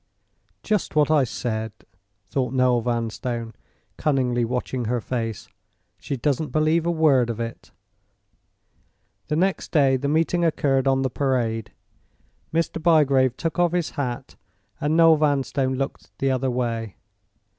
"Just what I said!" thought Noel Vanstone, cunningly watching her face; "she doesn't believe a word of it!" The next day the meeting occurred on the Parade. Mr. Bygrave took off his hat, and Noel Vanstone looked the other way.